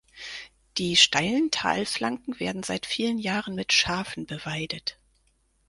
Die steilen Talflanken werden seit vielen Jahren mit Schafen beweidet.